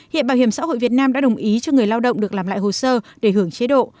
hiện bảo hiểm xã hội việt nam đã đồng ý cho người lao động được làm lại hồ sơ để hưởng chế độ